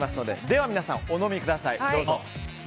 では皆さん、お飲みください。